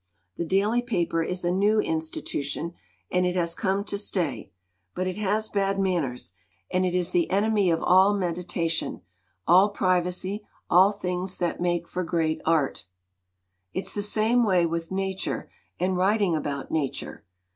The daily paper is a new institu tion, and it has come to stay. But it has bad man ners, and it is the enemy of all meditation, all privacy, all things that make for great art, 221 LITERATURE IN THE MAKING "It's the same way with nature and writing about nature.